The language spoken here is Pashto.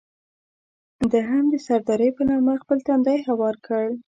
ده هم د سردارۍ په نامه خپل تندی هوار کړ.